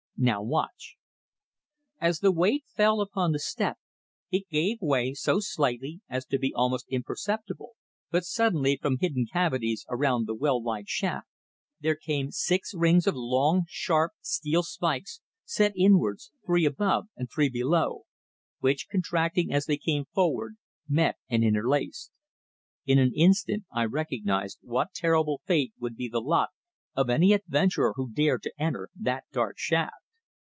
Now, watch." As the weight fell upon the step it gave way so slightly as to be almost imperceptible, but suddenly from hidden cavities around the well like shaft there came six rings of long, sharp steel spikes, set inwards, three above and three below, which, contracting as they came forward, met and interlaced. In an instant I recognised what terrible fate would be the lot of any adventurer who dared to enter that dark shaft.